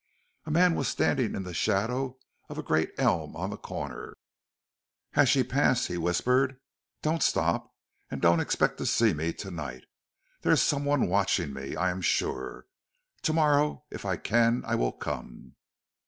A man was standing in the shadow of a great elm on the corner. As she passed, he whispered: "Don't stop, and don't expect to see me to night. There is some one watching me, I am sure. To morrow, if I can I will come."